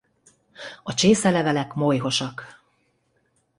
A csészelevelek molyhosak.